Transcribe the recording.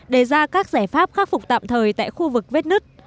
đề ra các giải pháp khắc phục tạm thời tại khu vực vết nứt